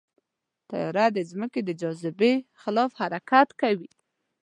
طیاره د ځمکې د جاذبې خلاف حرکت کوي.